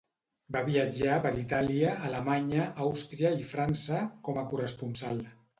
Va viatjar per Itàlia, Alemanya, Àustria i França com a corresponsal.